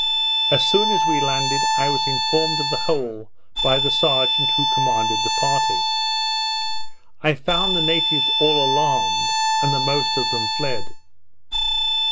As soon as we landed, I was informed of the whole by the serjeant who commanded the party. I found the natives all alarmed, and the most of them fled.